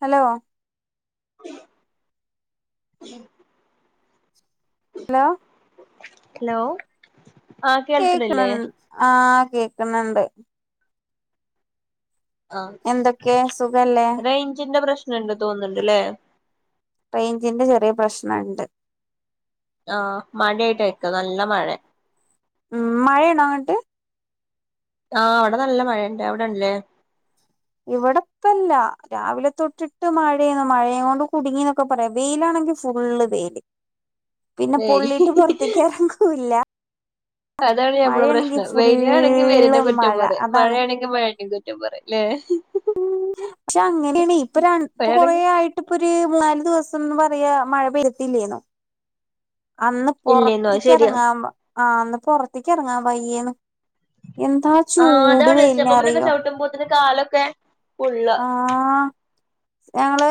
Hello ഉ ഉം [unintelligible] hello hello ആഹ് കേൾക്കണില്ലേ കേക്ക്ണ്‌ ആ കേക്കുന്ന്ണ്ട് ആ എന്തൊക്കെ സുഖല്ലേ റേഞ്ചിന്റെ പ്രശ്നണ്ട് തോന്ന്ണ്ട്ല്ലേ റേഞ്ചിന്റെ ചെറിയ പ്രശ്നണ്ട് ആ മഴയായിട്ടയിരിക്കു നല്ല മഴേ ഉം മഴയെണോ അങ്ങട്ട്? ആ ഇവിടെ നല്ല മഴണ്ട് അവിടെല്ലേ ഇവിടെപ്പല്ല രാവിലെ തൊട്ടിട്ട് മഴന്ന് മഴ കൊണ്ട് കുടുങ്ങിന്നൊക്കെ പറയാം വെയിലാണ ങ്കി ഫുള്ള് വെയ്ല് പിന്നെ വെയില് പൊള്ളിട്ട് പൊറത്തിക്ക്റങ്ങൂല്ലാ അതാണ് നമ്മളെ പ്രശ്നം വെയിലാണെങ്കി ഫുള്ള് വെയിലിനെ കുറ്റം മഴ പറയും അതാണ് മഴയാണെങ്കി മഴേനിം കുറ്റം പറയും ല്ലേ പക്ഷെ അങ്ങനെയാണ് ഇപ്പൊ ര ഇപ്പൊ കൊറേ മഴയാണെങ്കി ആയിട്ട്പ്പൊര് മൂന്നാല് ദിവസംന്ന് പറയാ മഴ പെയ്തിട്ടില്ലേന്നു അന്ന് ഇല്ലേന്നോ അത് പൊറത്ത്ക്ക് ശരിയാ എറങ്ങാ ആ അന്ന് പൊറത്തേക്ക് എറങ്ങാ വയ്യേന്നു എന്താ ആഹ് ചൂട് അതാണ് സ്റ്റെപ്പ്മ്മലൊക്കെ വെലിനറിയോ ചവിട്ടുമ്പോത്തിന് കാലൊക്കെ പൊള്ള ഞങ്ങള്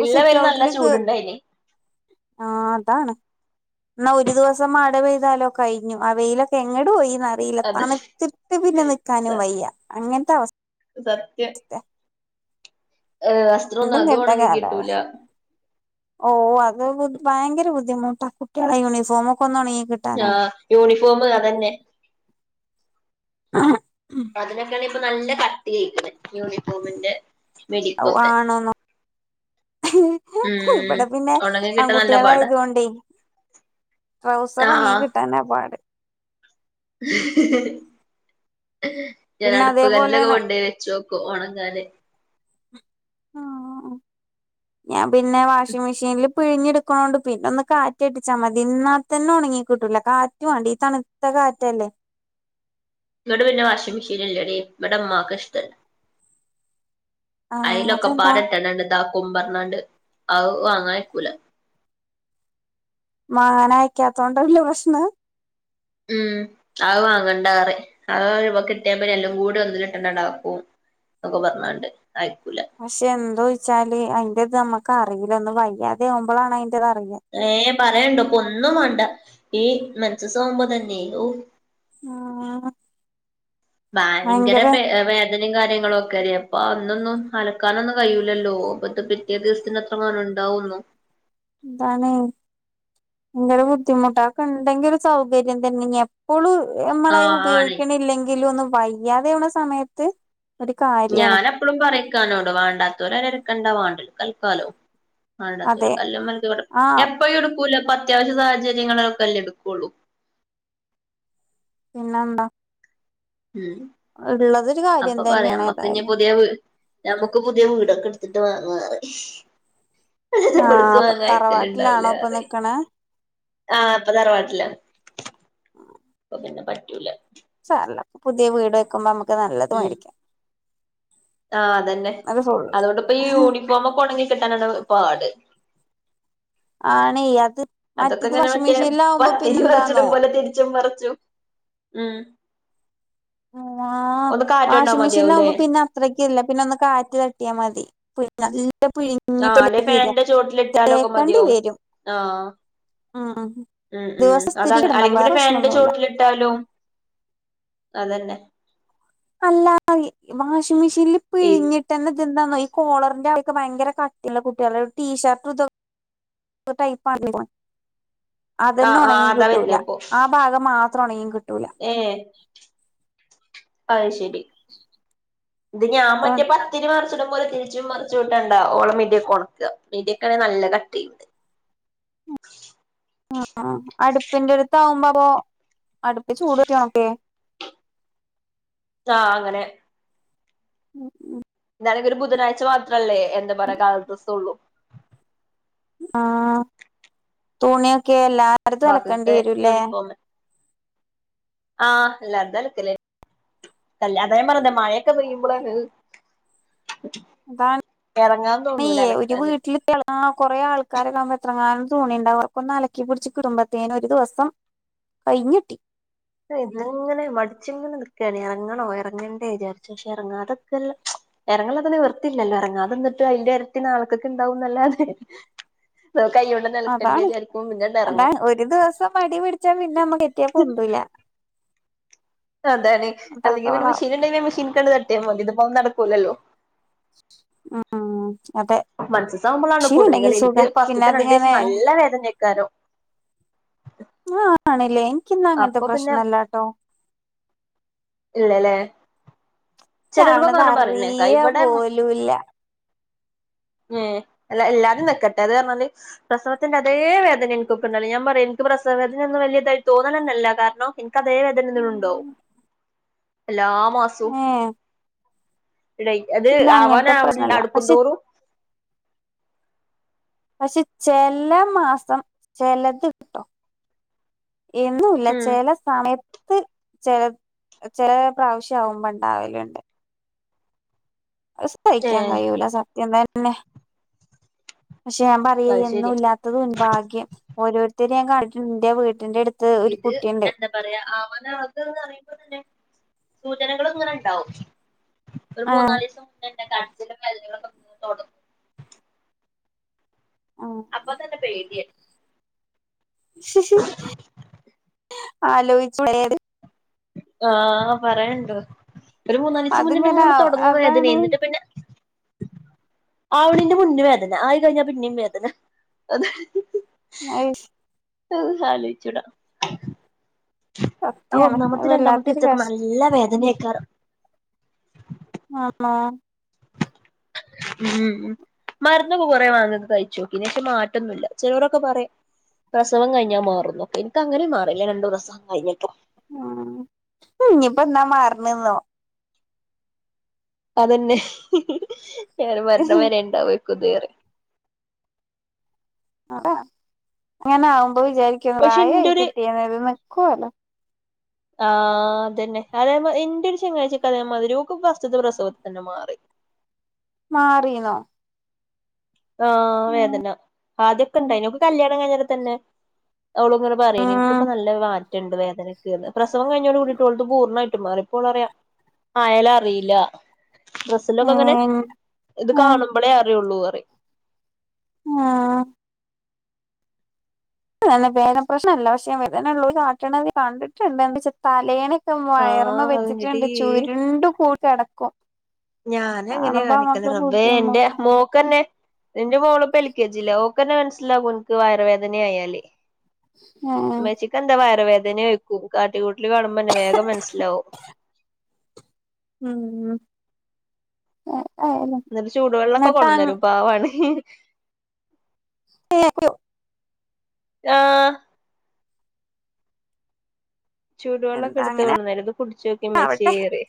ഇള്ള സിറ്റ് വെയില് നല്ല ഔട്ടിൽക്ക് ചൂടുണ്ടായിനി ആ അതാണ് എന്നാ ഒരു ദിവസം മഴ പെയ്താലോ കഴിഞ്ഞു ആ വെയിലൊക്കെ എങ്ങട്ട് പോയി ന്നറീല്ല അത് തണ്‌ത്തിട്ട് പിന്നെ നിക്കാനും വേയ്യാ അങ്ങനത്തെ അവസ് സത്യം ഏ വസ്ത്രോന്നും രണ്ടും അതും കെട്ട ഒണങ്ങി കിട്ടൂല കാലാവസ്ഥ ഓ അത് ബു ഭയങ്കര ബുദ്ധിമുട്ടാ കുട്ട്യാളെ യൂണിഫോമോക്കെ ഒന്നോണങ്ങി ആ യൂണിഫോമ് അതന്നെ ആ അതിനൊക്കെയാണ് ഇപ്പൊ നല്ല കട്ട്യായ്ക്ക്ണ്‌ യൂണിഫോമിന്റെ അവു മിടിക്കൊക്കെ ആണോന്നോ ഉം ഇവിടെ പിന്നെ ഒണങ്ങി കിട്ടാൻ നല്ല പാടാ ആൺകുട്ട്യാളായതൊണ്ടേ ട്രൗസറ് ഒണങ്ങി ആഹ് കിട്ടാനാ പാട് ഞാൻ പിന്നെ അടുപ്പ് കല്ലൊക്കെ അതേപോലെയാണ് കൊണ്ടേ വെച്ചോക്കും ഓണങ്ങാന് ആ ഞാൻ പിന്നെ വാഷിംങ്‌ മെഷീന്ൽ പിഴിഞ്ഞെട്ക്ക്ണോണ്ട് പിന്നെ ഒന്ന് കാറ്റട്ടിച്ചാ മതി ഇന്നാതന്നെ ഒണങ്ങി കിട്ടൂില്ല കാറ്റ് വാണ്ടേ ഈ തണ്‌ത്ത കാറ്റല്ലേ ഇവടെ പിന്നെ വാഷിംഗ് മെഷീന്ല്ലടീ ഇവടെ ഇമ്മക്ക് ഇഷ്ട്ടല്ല ആഹ് അതെന്താ അയലൊക്കെപാടെ ഇട്ടാണ്ട് ദാക്കും പറഞ്ഞാണ്ട് അത് വാങ്ങായ്ക്കൂല മാങ്ങാനയക്കാത്തോണ്ടല്ല പ്രശ്നം ഉം അത് വാങ്ങണ്ടാറിം അത് കിട്ടിയാ പിന്നെ എല്ലാം കൂടി ഒന്ന്ലിട്ടെന്നേണ്ടാക്കും ഒക്കെ പറഞ്ഞാണ്ട് അയക്കൂല പക്ഷെ എന്തോ വെച്ചാല് അയിന്റെ ഇത് നമ്മുക്ക് അറീല്ല ഒന്ന് വയ്യാതെ ആവുമ്പളാണ് അയ് അറിയ പറയാണ്ടോ ഇപ്പൊന്നും വാണ്ട ഈ മൻസസാകുമ്പോതന്നെ ആവു ആ ഭയങ്കര പേ വേദ നിം കാര്യങ്ങളൊക്കെ അല്ലേ അപ്പൊ അന്നൊന്നും അലക്കാനൊന്നും കയ്യൂലല്ലോ അപ്പത്ത പിറ്റേ ദിവസത്തിന് എത്രങ്ങാനുണ്ടാ വുന്നു എന്താണ് ഭയങ്കര ബുദ്ധിമുട്ടാ അതൊക്കെണ്ടെങ്കി സൗകര്യം തന്നെ എപ്പള് നമ്മളായി ആഹ് ആണ് ഉപയോഗിക്കണില്ലെങ്കിലും ഒന്നു വയ്യാതാവ്ണ സമയത്ത് ഒരു കാര്യാണ് ഞാന് എപ്പളും പറിം ഇക്കാനോട് വാണ്ടാത്തവര് അയില് അലക്കണ്ട വാണ്ടിയോല്ക്ക് അലക്കലോ വേണ്ടത്തോൽ അതെ കല്ല്മ്മേ അലക്കിക്കൊട്ടെ ആഹ് എപ്പഴും എടുക്കൂല അത്യാവശ്യ സാഹചര്യങ്ങളൊക്കെല്ലേ എടുക്കുള്ളൂ പിന്നെ എന്താ ഉം കാര്യം അപ്പൊ പറയാം തന്നെയാണ് നമ്മക്ക് ഇ ഏതായാലും പുതിയ വ ഞമ്മുക്ക് പുതിയ വീടൊക്കെ ത്തി് ആഹ് വാങ്ങടുക്ക് അപ്പൊ വാങ്ങക്കല്ല ഇണ്ടാവൂല തറവാട്ടിലാണോ ഇപ്പൊ ആറി നിക്കണേ ആഹ ഇപ്പൊ തറവാട്ടില്ല പിന്നെ പറ്റൂല സല്ല പുതിയ വീട് വെക്കുമ്പോ നമുക്ക് നല്ലതും ഉം മരിക്കാം ആഹ് അതന്ന അതൊണ്ട്ൊപ്പൊ ഈ യൂണിഫോമ ഒക്ക ഉണങ്ങ ാന പോട് ആണേ അത് അതൊക്കെ മറ്റത് ഇങ്ങനെ വാഷിംഗ് മറ്റേ മെഷീനിലാവുമ്പോ പത്തിരി പിന്നെന്താന്നോ മറച്ചിടും പോലെ തിരിച്ചും മറച്ചു ഉം ആ ഒന്ന് കാറ്റൊണ്ടാ വാഷിംഗ മതിയാവൂല്ലേ മെഷീനിലാവകുമ്പോ പിന്നെ അത്രക്ക ഇല്ല പിന്നെ ഒന്ന് കാറ്റ് തട്ടിയാൽ മതി നല്ല ആഹ പിഴിഞ്ഞിട്ടല്ലേ അല്ലെ വര ഫാനന്റെ ചോട്ടിലിട്ടാലൊക്കെ തേക്കണ്ടി മതിയാവും വരും ആഹ ഉം ഉം ഉം ദിവസം സ്ഥിരം അതാണ് ഇടണം അല്ലെങ്കിൽ വേറെ പിന്നെ ഫാന്റെ പ്രശ്നൊന്നുല്ല ചുവട്ടിലി ഇട്ടാലോ അതന്നെ അല്ലാ വാഷിംഗ് മെഷീനിൽ ഇപ്പ ഈ ഇഴിഞ്ഞിട്ട്ന്നെ ഇത്െന്താന്നോയി കോളറിന്റെ ആെ ഭയങ്കര കട്ടില്ല കുട്ടികള ഒരു ടീഷർട്ട് ഇത അതന്നെ ആഹ് ആഹ് ഉണങ്ങി അതാ കിട്ടൂല ആ ഭാഗം മാത്ര ത്രണയും ഏ അയ് ശരി ഇത് ഞാൻ മറ്റേ പത്തിരി മറിച്ചിടും പോലെ തിരിച്ചും മറിചും ചൂടണ്ട ഓളെ മീഡിയൊക്കെ ണക്കാ മീഡിയൊക്കെണെങ്കിൽ നല്ല കട്ടിണ്ട് ചെയ്യുന്നത് ഉ ഉ അടുപ്പിന്റെ ടുത്ത് ആകുമ്പോ അപ്പൊ അടുപ്പിച്ചൂടെട്ടിയാവുലെ ആ അങ്ങനെ ഉം ഉം നലൊരു ബുധനാഴ്ച മാത്രല്ലേ എന്താ പറയാ കാളർ ഡ്രസ്സൊള്ളു ആഹ തുണിയൊക്കെ എല്ലാർ തും അലക്കേണ്ടി ബാക്കിയൊക്കെ വരൂല്ലേ യൂണിഫോമ് ആഹ് എല്ലാർതും അലക്കല് അത് അതല്ലേ പറഞ്ഞത് മഴയൊക്കെ പെയ്യുമ്പോ ള അതാണ് തോന്നൂല ന്യ ഒരു അലക്കാന് വീട്ടിൽ തെള കൊറെേ ആൾക്ക ക്കാരല്ലാകുമ്പോ എത്രങ്ങാനും തണിുണ്ട് അവർക്കൊന്ന് അലക്കി പിടിച്ച് കുടുംബത്തേനന് ഒരു ദിവസം കൈഞ്ഞിട്ടി ഇത് ഇങ്ങനെ മടിച്ചിങ്ങനെ നിൽക്കെണ് ഇറങ്ങണോ ഇറങ്ങണ്ടേ വിചാരിച്ചേഷ ഇറങ്ങ അതൊക്കെല്ല ഇറങ്ങൊലൊക്കെ നിവർത്തി ത്തില്ലല്ലോ ഇറങ്ങാതന്നിട്ട് അതിന്റെ ഇരട്ടി നാളെക്കൊക്ക് ഇണ്ടാവുംല്ലാതെ [unintelligible] അതാണ് പിന്നണ്ട് എറങ്ങും അതാണ് ഒരു ദിവസം മടി പിടിച്ചാ പിന്നെ നമ്മ കെറ്റിയാപ്പൊന്തുൂല്ല അതേടി അല്ലെങ്ക പിന്നെ അത്രത്തോളം മെഷീൻ ഉണ്ടെങ്കിൽ മെഷീൻ കണ്ട തട്ടിയ നടക്കൂലല്ലോ ആഹ മൻസസ് സാകുമ്പോളാണ് കുടുങ്ങല് എനിക്ക് സുഖ പിന്നെ ഫസ്റ്റത്തെ രണ്ടീസം അതിങ്ങനെ നല്ല വേദനായിക്കാരം ആഹ ആണ്ലെ ക്കിന്ന അങ്ങൻത്തെ അപ്പൊ പിന്നെ പ്രശ്നല്ലട്ടോ ഇല്ലല്ലേ ഇക്ക്യാ ചെലോർക്കൊക്കെ വണത് അങ്ങനെ പറയണേക്കാ അറിയ ഇവിടെ പോലൂല്ല ഉം അല്ല എല്ലാരും നക്കട്ടെ അത് എല്ലാരും നിക്കട്ടെ അത് അതിനര്ന്നാല് പ്രസവത്തിന്റെ അതേ വേദന എനിക്കൊപ്പം ഉണ്ടാവല് ഞാൻ പറയാ എനി പ്രസവവേദന ഒന്നും വല്ല്യ ഇതായിട്ട് തോന്നലന്നല്ല കാരണം എനക്ക്തേ വേദന നിന്ന ഉണ്ടാവും അല്ല മാസു ഏഹ് ഇട അത് എനിക്കിന്ന് അങ്ങനത്തെ പ്രശ്നല്ല പക്ഷെ ആവാനടുക്കുംന്തോറും പക്ഷെ ചെല മാസം ചെലത് ട്ടോ ഉം എനചേല സമയ ചെ ചെല പ്രാവശ്യാവുമ്പോ ണ്ടാവലുണ്ട് അത് ഏ സഹിക്കാൻ കയൂല സത്യം തന്നെ പക്ഷെ ഞാൻ പറയെ അത് എന്നും ശരി ഇല്ലാത്തത് ഭാഗ്യം ഓരോരുത്തരത് ഞാൻണന്റെ വീട്ടിന്റെ അടു ഇത് എന്താ പറയാ അവന അത്ന്ന്റ സൂചനകള്ങ്ങനെ ണ്ടാവും ഒരു ആഹ് മൂനാലിയിസം പി കടച്ചിലും വലുകളൊക്കെന്ന് തുടങ്ങും അപ്പൊ തന്നെ പേട്യ ആലോയിച്ചുവരേണ് ആഹ് പറയണ്ട് ഒരു മൂന്നാലിസം അതിങ്ങനെ മുന്നെന്നെങ്ങനെ തുടങ്ങുംവേദനെ അതാണ് ന്നിട്ട് പിന്നെ ആവണീന്റെ മുന്ന വേദന ആയി കഴിഞ്ഞ പിന്നേം വേദന അയി അ സാലിച്ചുടാ ആ സത്യാണ് അത് ഒന്നാമത്തെ രണ്ടാമത്തെ വല്ലാത്തൊരു സാക്കെ നല്ല വേദന ആക്കാരം ആ ഉം മര് ന്നൊക്കെ കുറേ വാങ്ങത് കഴിച്ചോക്കി നിട്ട് മാറ്റൊന്നുല്ല ചിലരൊക്കെപറയും പ്രസവം കഴിഞ്ഞാൽ മാറുന്നൊക്കെ എനിക്കങ്ങനെും മാറിയില്ല രണ്ട് പ്രസവം കഴിഞ്ഞിട്ട് ഉ ഇനിയിപ്പോ എന്താ മാറണന്നോ അതെന്നെ ഞാൻ മരണവരെ ഉണ്ടാവ,,,,, അങ്ങനെ ആകുമ്പോ വിചാരിക്കും പക്ഷെ പ്രായായി ഇന്റൊരു കിട്ടിയെങ്കിൽ ഇത് നിക്കൂല ആഹ് അതന്നെ അതേ ഇന്റെ ഒരു ചെങ്ങായിച്ചിക്ക്അതേമാതിരി ഓൾ ക് ഫസ്ററിത്തെപ്രസവത്തി തന്നെ മാറി. മാറിന്നോ. ആഹ വേദന ആദ്യൊക്കെ ഇണ്ടായിന്നു ഓർക് കല്യാണം കഴിഞ്ഞട തന്നെ. അവളുംങ്ങെ ഉം പറയുംനിനക്ക്പ്പ നല്ല മാറ്റമണ്ട് വേദനക് പ്രസംവം കഴിഞ്ഞോട് കൂടിട്ട് ഓളത് പൂർണ്ണമായിട്ട് മാറി. പ്പോൾറിയാം ആയാലും അറിയില്ല. ബസ്സിലൊക്കെ അങ്ങനെ ഉം ഇത് ഉം കാണുമ്പോളേ അറിയുള്ളൂ പറി. ആഹ വേധന പ്രശ്നഅല്ല പക്ഷെ വേദന ഉള്ളൂ കാട്ടണത് കണ്ടിട്ടുണ്ട് എന്താ വെച്ചാ തലേണ. ഇ വയർമ ആഹ് അതിന്റെടീ വെച്ചിട്ടുണ്ട് ചുരുണ്ട് കൂടി അടക്കും. ഞാന് അങ്ങനെ കാണിക്കല് റബേ എന്റെ ബുദ്ധിമുട്ടാ മോക്ക്ന്നെ എന്റെ മോള് എൽ കെ ജി ലാ. ക്കനെ മനസ്സിലാവകനിക്ക് വയറുവേദന ആയാലേ ഏഹ് ഇമ്മച്ചിക്കന്ത വയർവേദന. വെക്കും കാട്ടികൂട്ടിൽ കാണുമ്പോ തന്നെ വേഗം മനസ്സിലാവും. ഉം ഏതായാലും എന്നിട്ട് ചൂടുവെള്ളമൊക്കെ എന്നിട്ട് കൊടുന്നുതരുംപാവാണ്. പ്പ ആഹ ചൂടുവെള്ളക്കെ എന്താ എടുത്ത് അങ്ങനെ കൊടുന്നുതരും ഇത് കുടിച്ചോക്കി മ്മച്ചേ.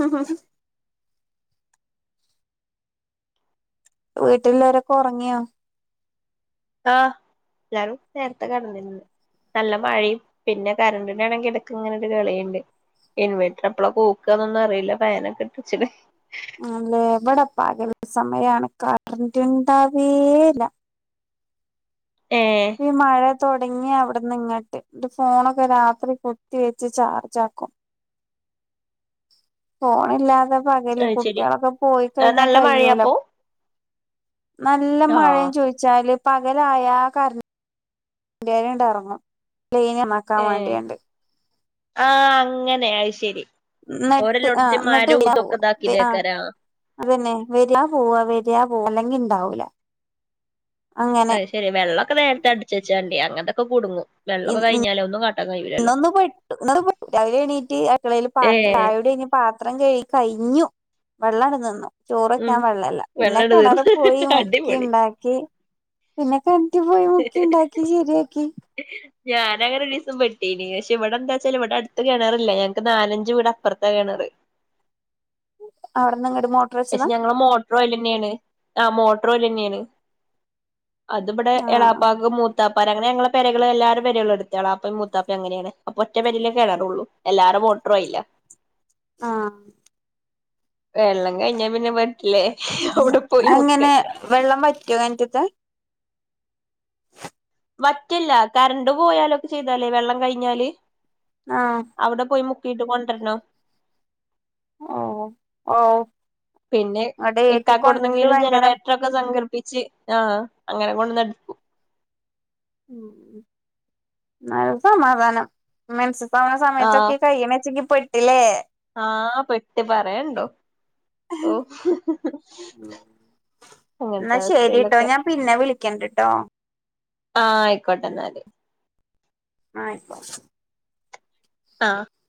ഹ ഹ വീട്ടുള്ളരൊക്കെ ഉറങ്ങിയോ. ആഹ് എല്ലാരും നേരത്തെ കടന്നിരന്ന്. നല്ല മഴയും പിന്നെ കറണ്ടിനാണെങ്കിൽ ഇടക് ഇങ്ങനെ ഒരു കളിയുണ്ട്. ഇൻവേർട്ടർ എപ്പള കൂക്കുകന്നൊന്നും അറിയില്ല ഫാനൊക്കെ ഇട് ചിക്ണ്. അല്ലേ എവിടെ പകൽ സമയാണ് കറന്റ് ഉണ്ടാവേല്ല. ഏഹ് ഇ. മഴ തുടങ്ങിയ അവിടന്ന് ഇങ്ങോട്ട് ഫോണൊക്കെ രാത്രി കുത്തി വെച്ച് ചാർജ് ആക്കും. ഫോണില്ലാതെ. പകല് അത് ശരി കുട്ടികളൊക്കെ പോയി കഴിഞ്ഞാൽ നല്ല കഴൂല.. മഴയാപ്പോ നല്ല ആഹ് മഴന്ന് ചോദിച്ചാല് പകലായ കാര്. എന്റൊര് ഇണ്ട ഇറങ്ങു ലൈനി നക്കാൻ വേണ്ടിയണ്ട്. ആഹ അങ്ങനെഅത് ശരി നട്ട് ആ ഓരെല്ലോട്ത്ത്ത്തെ നട്ട് മരും ഇതൊക്കെ ആ ഇതാക്കിതേക്കാരാ അതന്നെ വരിയാ പോവാ വരിയാ പോവ അല്ലെങ്കി ഇണ്ടാവൂല അ അങ്ങനെ ശരി വെള്ളമൊക്കെ നേരത്തെ അടിച്വെച്ചാണ്ടി അങ്ങനത്തെൊക്കെ കുടുങ്ങും വെള്ളമൊക്കെ കിഞ്ഞാല്ഒന്നും ക ഇന്നൊന്ന് പെട്ടു ഇന്നൊന്ന് പെട്ടു രാവിലെ എണീട്ട് അടുക്കളയിൽപാത്ര ഏഹ് ചായ കുടി കഴിഞ് പാത്രം കഴുകി കഴിഞ്ഞു വെള്ളഅട്ട്നിന്നു ചോറ് ഉം വക്കാൻ വെള്ളല്ല പിന്നെ വെള്ളണ്ട് കിണർ തീർന്ന് പോയി മുക്കി അടിപൊളി ഉണ്ടാക്കി പിന്നെ കിണറ്റിൽ പോയി മുക്കി ഉണ്ടാക്കി ശരിയാക്കി ഞാനൻങ്ങനെ ഒരു ദിവസം പെട്ടീനി പക്ഷെ ഇവിടെ എന്താ വെച്ചാൽ ഇവിടെ അടുത്ത് കിണറ്ല്ല ഞങ്ങക്ക് നാലഞ്ച് വീട് അപ്പുറത്ത കിണറ് അവിടന്ന് ങ്ങ്ട്ട് മൊ പക്ഷെ ഞങ്ങള് മോട്ടോർ ഓൽ തന്നെയാണ് ആ മോട്ടോർ ഓയിൽ തന്നെയാണ് അത് പടെ എളാപ്പാക് മൂത്താ പരങ്ങൾ ഞങ്ങൾ പരകൾഎല്ലാര പെരകളും എടുതാണള എളാപ്പയും മൂത്താപ്പയുംഅങ്ങനെയാണ് അപ്പൊ ഒറ്റ പരേ കേറുള്ളൂഎല്ലാരെ ട്ടർ ആയില ആഹ വെള്ളം കഴിഞ്ഞ പിന്നെ ല്ലെ അവിടെ പോയി അങ്ങനെ മുക്കണ്ടേ വെള്ളം വറ്റോ കിണറ്റ്ത്തെ വറ്റില്ല കറണ്ട് പോയാലൊക്കെ ചെയ്താലേ വെള്ളം കഴിഞ്ഞാല് ആഹ് അവിടെ പോയി മു കിട്കൊണ്ടരണം ഓ ഓ പിന്നെ ഇക്കാക്കടുന്നെങ്കിലും ഭയങ്കര ജനറേറ്റർൊക്കെ സംഘടിപ്പിച്ച് ആഹ അങ്ങനെ കൊണ്ട്ന്നടക്കും [unintelligible] സമാധാനം മൻസ് [unintelligible] സമയത്തൊക്കെ കയ്യണച്ചെങ്കി പെട്ടിലേ ആ പെട്ട് പറയണ്ടോ ഓ ഹ് ഹ് ന്നാ ശരിട്ടോ ഞാൻ പിന്നെ വിളിക്കണ്ട്ട്ടോ ആയിക്കോട്ടെന്നാല് ആ ആയ്കോട്ടെ ആ